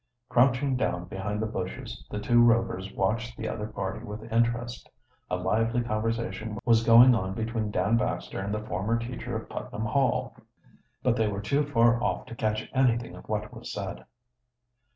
Crouching down behind the bushes, the two Rovers watched the other party with interest. A lively conversation was going oh between Dan Baxter and the former teacher of Putnam Hall, but they were too far off to catch anything of what was said.